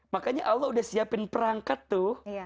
makanya allah udah siapin perangkat tuh